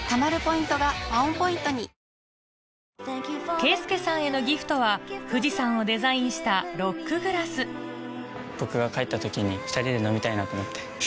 ＫーＳＵＫＥさんへのギフトは富士山をデザインしたロックグラス僕が帰った時に２人で飲みたいなと思って。